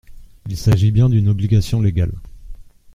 Il s’agit bien d’une obligation légale.